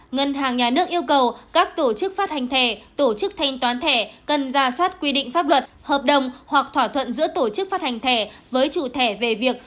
ngân hàng nhà nước yêu cầu các tổ chức phát hành thẻ tổ chức thanh toán thẻ cần ra soát quy định pháp luật hợp đồng hoặc thỏa thuận giữa tổ chức phát hành thẻ với chủ thẻ về việc